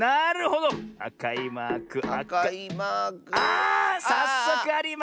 あさっそくありました！